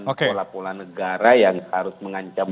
pola pola negara yang harus mengancam